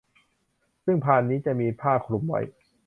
ซึ่งพานนี้จะมีผ้าคลุมไว้